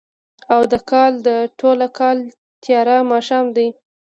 او د کال، د ټوله کال تیاره ماښام دی